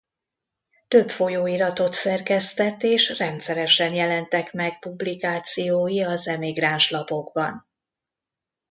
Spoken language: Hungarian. Több folyóiratot szerkesztett és rendszeresen jelentek meg publikációi az emigráns lapokban.